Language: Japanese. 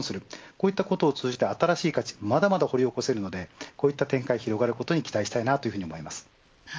こういったことを通じて新しい価値まだまだ掘り起こせるのでこういった展開が広がることに期待したいと思います。